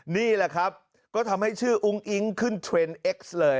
นี่แหละครับก็ทำให้ชื่ออุ้งอิ๊งขึ้นเทรนด์เอ็กซ์เลย